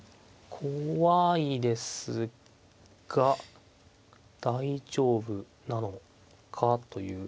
怖いですが大丈夫なのかという。